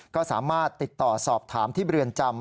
ก็สามารถติดต่อสอบถามที่เรือนจำ